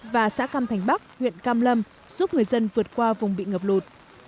và xã cam thành bắc huyện cam lâm giúp người dân vượt qua vùng bị ngập lụt